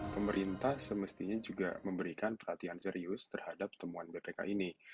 pemerintah semestinya juga memberikan perhatian serius terhadap temuan bpk ini